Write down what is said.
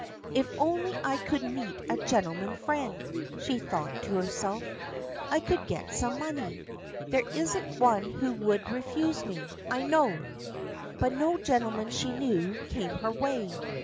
"If only I could meet a gentleman friend," she thought to herself, "I could get some money. ... There isn't one who would refuse me, I know. .." But no gentleman she knew came her way.